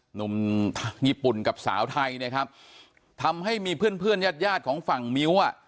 หนุ่มญี่ปุ่นกับสาวไทยนะครับทำให้มีเพื่อนเพื่อนญาติญาติของฝั่งมิ้วอ่ะ